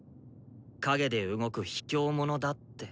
陰で動くひきょう者だって。